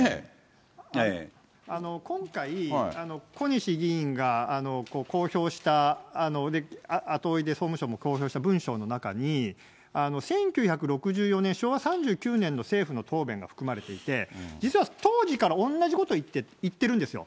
今回、小西議員が公表した後追いで総務省も公表した文書の中に、１９６４年、昭和３９年の政府の答弁が含まれていて、実は当時から同じことを言ってるんですよ。